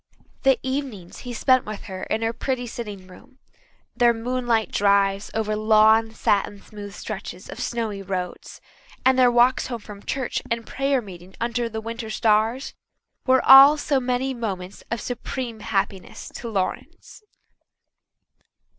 The evenings he spent with her in her pretty sitting room, their moonlight drives over long, satin smooth stretches of snowy roads, and their walks home from church and prayer meeting under the winter stars, were all so many moments of supreme happiness to Lawrence.